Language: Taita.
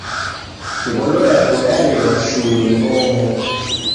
Ngolo yapo yarirwa shuu n'oho